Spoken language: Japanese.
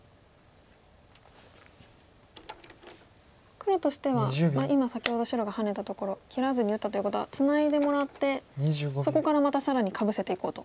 黒としては今先ほど白がハネたところ切らずに打ったということはツナいでもらってそこからまた更にかぶせていこうと。